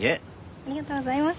ありがとうございます。